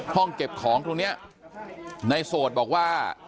ห้องเก็บของตรงนี้ในโสดบอกว่า